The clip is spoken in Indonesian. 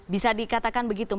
bisa dikatakan begitu saja